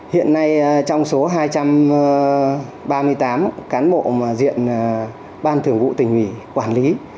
hiện nay trong số hai trăm ba mươi tám cán bộ diện ban thường vụ tỉnh ủy quản lý